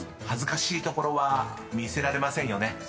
［恥ずかしいところは見せられませんよね］